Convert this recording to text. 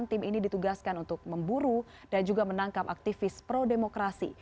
pada seribu sembilan ratus sembilan puluh delapan tim ini ditugaskan untuk memburu dan juga menangkap aktivis pro demokrasi